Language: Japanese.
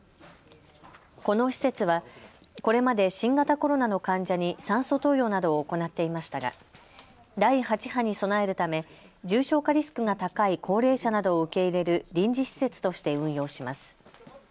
この施設はこれまで新型コロナの患者に酸素投与などを行っていましたが第８波に備えるため重症化リスクが高い高齢者などを受け入れる臨時施設として運用します。